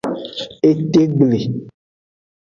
Etegble.